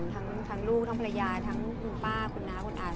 ทั้งลูกทั้งภรรยาทั้งคุณป้าคุณน้าคุณอา